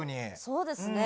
そうですね。